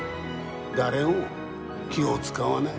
誰も木を使わない。